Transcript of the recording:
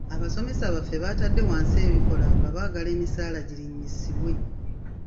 Abasomesa baffe baatadde wansi ebikola nga baagala emisaala girinnyisibwe.